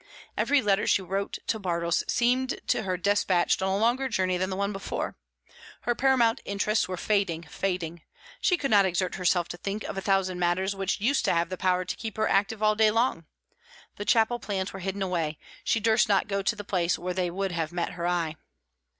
Every letter she wrote to Bartles seemed to her despatched on a longer journey than the one before; her paramount interests were fading, fading; she could not exert herself to think of a thousand matters which used to have the power to keep her active all day long. The chapel plans were hidden away; she durst not go to the place where they would have met her eye.